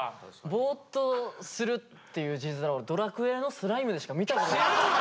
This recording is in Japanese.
「ボーッとする」っていう字面を「ドラクエ」のスライムでしか見たことない。